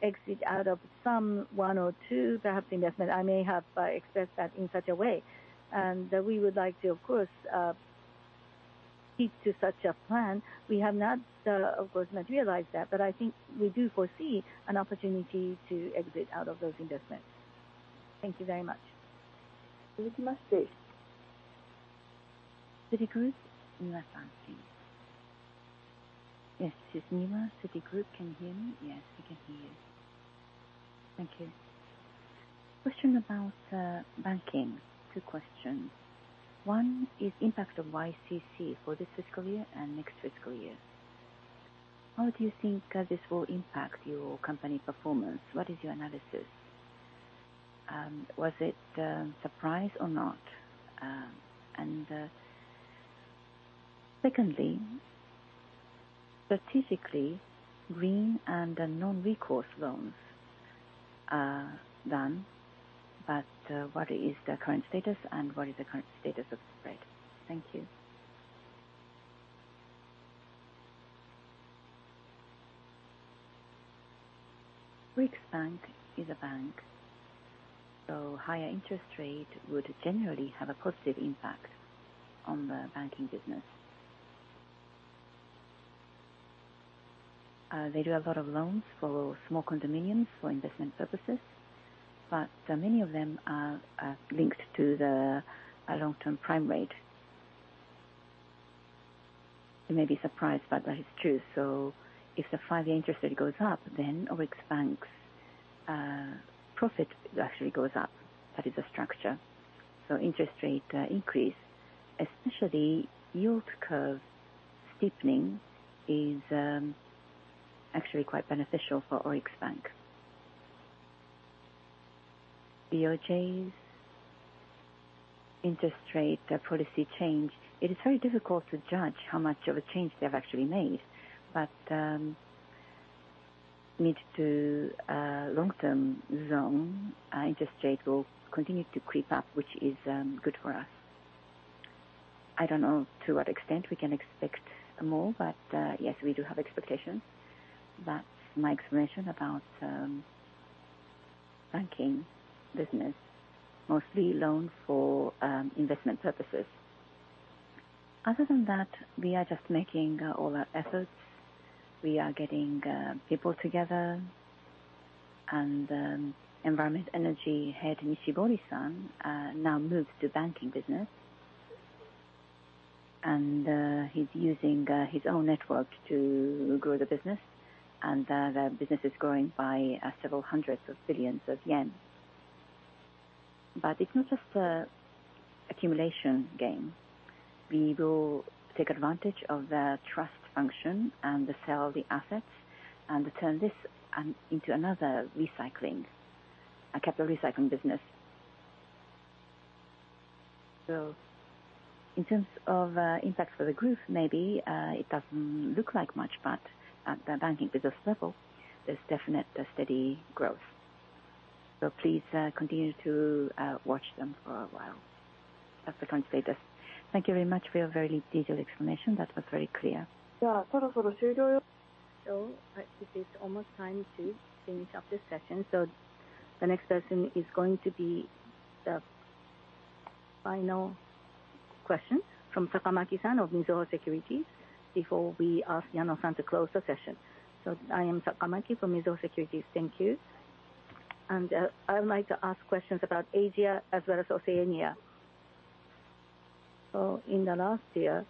exit out of some one or two perhaps investment. I may have expressed that in such a way, and that we would like to, of course, keep to such a plan. We have not, of course, materialized that, but I think we do foresee an opportunity to exit out of those investments. Thank you very much. Citigroup, Mila San, please. Yes, this is Mila, Citigroup. Can you hear me? Yes, we can hear you. Thank you. Question about banking. Two questions. One is impact of YCC for this fiscal year and next fiscal year. How do you think this will impact your company performance? What is your analysis? Was it surprise or not? Secondly, specifically, green and non-recourse loans are done, what is the current status, and what is the current status of spread? Thank you. ORIX Bank is a bank, higher interest rate would generally have a positive impact on the banking business. They do a lot of loans for small condominiums for investment purposes, many of them are linked to the long-term prime rate. You may be surprised, that is true, if the five-year interest rate goes up, then ORIX Bank's profit actually goes up. That is the structure. Interest rate increase, especially yield curve steepening, is actually quite beneficial for ORIX Bank. BOJ's interest rate policy change, it is very difficult to judge how much of a change they have actually made, but need to long-term zone interest rate will continue to creep up, which is good for us. I don't know to what extent we can expect more, but yes, we do have expectations. That's my explanation about banking business, mostly loans for investment purposes. Other than that, we are just making all our efforts. We are getting people together, and Environment and Energy head, Nishibori-san now moved to banking business. He's using his own network to grow the business, and the business is growing by several hundreds of billions of JPY. It's not just a accumulation game. We will take advantage of the trust function and sell the assets and turn this into another recycling, a capital recycling business. In terms of impact for the group, maybe it doesn't look like much, but at the banking business level, there's definite steady growth. Please continue to watch them for a while. That's the current status. Thank you very much for your very detailed explanation. That was very clear. It is almost time to finish up this session, so the next person is going to be the final question from Sakamaki-san of Mizuho Securities before we ask Yano-san to close the session. I am Sakamaki from Mizuho Securities. Thank you. I would like to ask questions about Asia as well as Oceania. In the last year,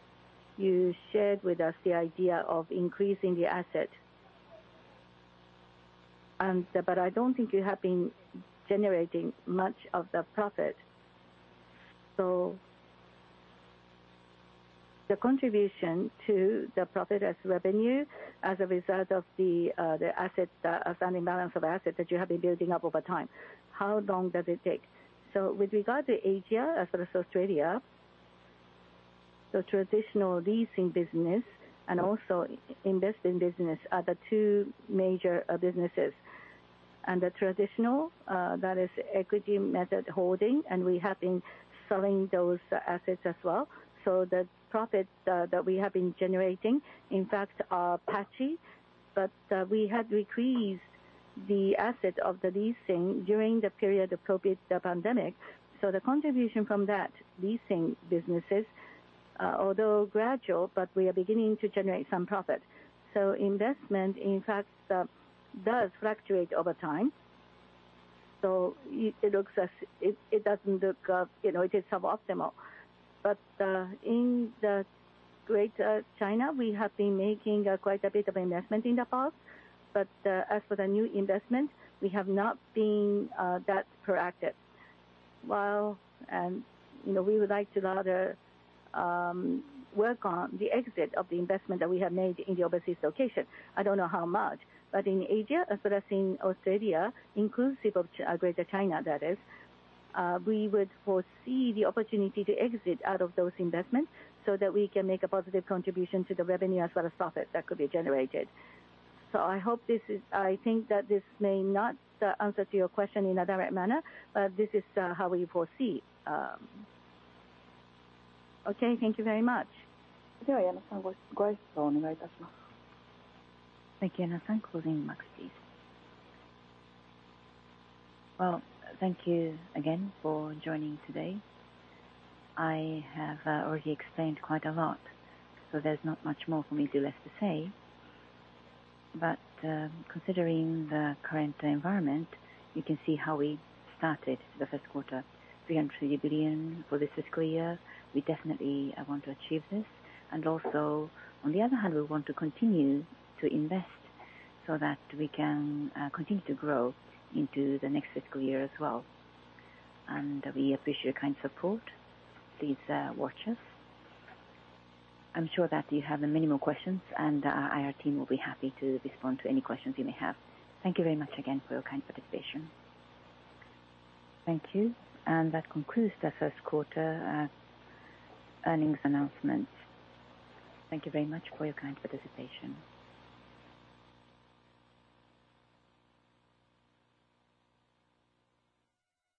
you shared with us the idea of increasing the asset. But I don't think you have been generating much of the profit. The contribution to the profit as revenue, as a result of the, the asset, the, standing balance of asset that you have been building up over time, how long does it take? With regard to Asia, as well as Australia, the traditional leasing business and also investing business are the two major businesses. The traditional that is equity method holding, and we have been selling those assets as well. The profit that we have been generating, in fact, are patchy, but we had increased-... the asset of the leasing during the period of COVID, the pandemic. The contribution from that leasing businesses, although gradual, but we are beginning to generate some profit. Investment, in fact, does fluctuate over time. It, it looks as, it, it doesn't look, you know, it is suboptimal. In Greater China, we have been making quite a bit of investment in the past, but as for the new investment, we have not been that proactive. While, you know, we would like to rather work on the exit of the investment that we have made in the overseas location. I don't know how much, in Asia, as well as in Australia, inclusive of Greater China, that is, we would foresee the opportunity to exit out of those investments so that we can make a positive contribution to the revenue as well as profit that could be generated. I hope this is, I think that this may not answer to your question in a direct manner, but this is how we foresee. Okay, thank you very much. Thank you, Anna, closing next, please. Well, thank you again for joining today. I have already explained quite a lot, so there's not much more for me to left to say. Considering the current environment, you can see how we started the first quarter, 300 billion for this fiscal year. We definitely want to achieve this. Also, on the other hand, we want to continue to invest so that we can continue to grow into the next fiscal year as well. We appreciate your kind support. Please watch us. I'm sure that you have many more questions, and our team will be happy to respond to any questions you may have. Thank you very much again for your kind participation. Thank you. That concludes the first quarter, earnings announcement. Thank you very much for your kind participation.